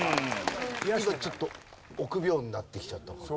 皆さんちょっと臆病になってきちゃったか。